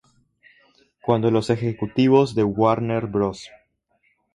Cuando los ejecutivos de Warner Bros.